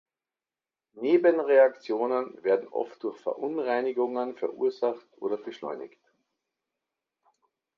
Nebenreaktionen werden oft durch Verunreinigungen verursacht oder beschleunigt.